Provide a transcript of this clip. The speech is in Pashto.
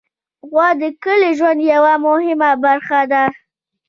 غوا د کلي ژوند یوه مهمه برخه ده.